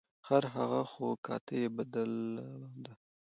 خر هغه خو کته یې بدله ده.